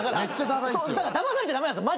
だまされちゃ駄目なんですよ